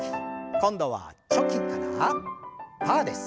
今度はチョキからパーです。